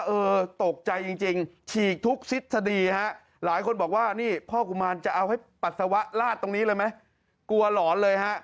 เออตกใจจริงฉีกทุกทฤษฎีฮะหลายคนบอกว่านี่พ่อกุมารจะเอาให้ปัสสาวะลาดตรงนี้เลยไหมกลัวหลอนเลยฮะ